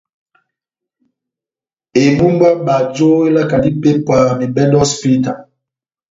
Ebumbu yá bajo elakandi ipépwa mebɛdi o hosipita.